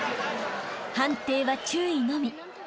［判定は注意のみ］